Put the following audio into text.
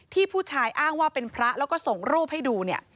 ผู้ชายอ้างว่าเป็นพระแล้วก็ส่งรูปให้ดูเนี่ย